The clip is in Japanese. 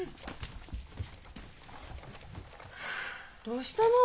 どうしたの？